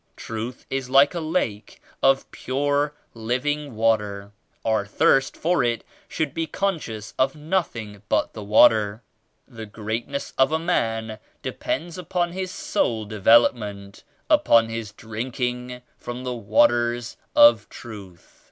Truth is like a lake of pure, living water. Our thirst for it should be conscious of nodiing but that water. The greatness of a man depends upon his soul development, upon his drinking from the Waters of Truth.